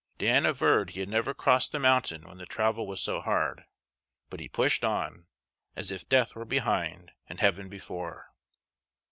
Dan averred he had never crossed the mountain when the travel was so hard; but he pushed on, as if death were behind and heaven before.